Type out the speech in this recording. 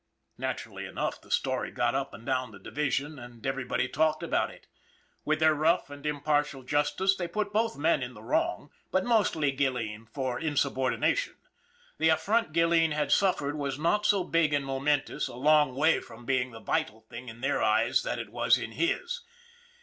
Naturally enough, the story got up and down the division, and everybody talked about it. With their rough and impartial justice they put both men in the wrong, but mostly Gilleen for insubordination. The affront Gilleen had suffered was not so big and momentous, a long way from being the vital thing in their eyes that it was in his.